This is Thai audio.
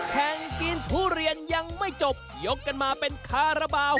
แข่งกินทุเรียนยังไม่จบยกกันมาเป็นคาราบาล